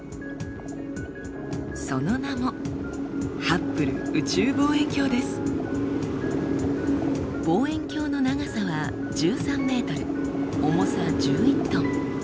その名も望遠鏡の長さは１３ｍ重さ１１トン。